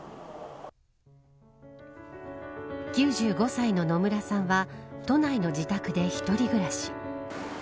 ９５歳の野村さんは都内の自宅で一人暮らし。